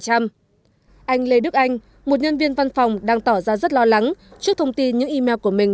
anh lê đức anh một nhân viên văn phòng đang tỏ ra rất lo lắng trước thông tin những email của mình